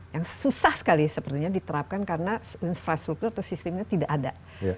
yang susah sekali sepertinya diterapkan karena infrastruktur atau sistemnya tidak ada